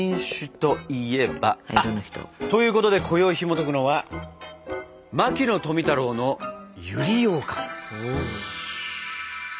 あっということでこよいひもとくのは「牧野富太郎の百合ようかん」。